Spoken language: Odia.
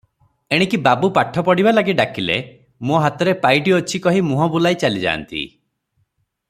ଏଣିକି ବାବୁ ପାଠ ପଢ଼ିବାଲାଗି ଡାକିଲେ, "ମୋ ହାତରେ ପାଇଟି ଅଛି" କହି ମୁହଁ ବୁଲାଇ ଚାଲିଯାନ୍ତି ।